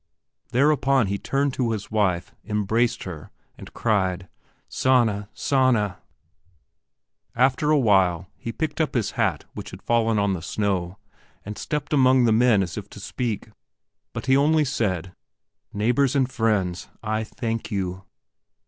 Thereupon he turned to his wife, embraced her and cried "Sanna, Sanna!" After awhile he picked up his hat which had fallen on the snow and stepped among the men as if to speak. But he only said: "Neighbors and friends, I thank you!"